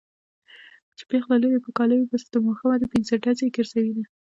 چې پېغله لور يې په کاله وي پس د ماښامه دې پنځډزی ګرځوينه